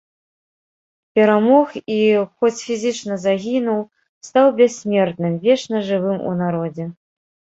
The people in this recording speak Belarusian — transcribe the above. Перамог і, хоць фізічна загінуў, стаў бяссмертным, вечна жывым у народзе.